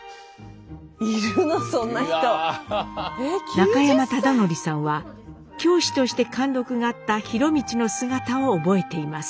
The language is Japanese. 中山忠範さんは教師として貫禄があった博通の姿を覚えています。